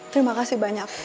terima kasih banyak